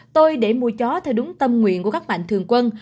tôi để mua chó theo đúng tâm nguyện của các mạnh thường quân